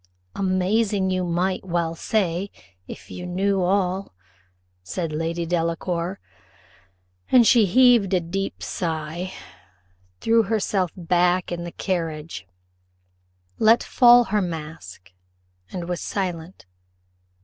"Amazing you might well say, if you knew all," said Lady Delacour; and she heaved a deep sigh, threw herself back in the carriage, let fall her mask, and was silent.